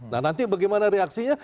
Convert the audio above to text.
nah nanti bagaimana reaksinya